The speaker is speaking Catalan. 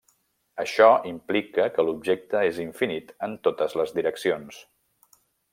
Això implica que l'objecte és infinit en totes les direccions.